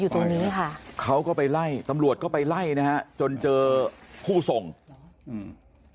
ตรงนี้ค่ะเขาก็ไปไล่ตำรวจก็ไปไล่นะฮะจนเจอผู้ส่งอืม